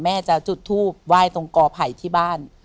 แม่จะจุดทูบไหว้ตรงกอไผ่ที่บ้าน